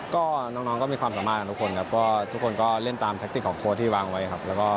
ก็น้องก็มีความสามารถของทุกคนครับก็ทุกคนก็เล่นตามแท็กติกของโค้ดที่วางไว้ครับ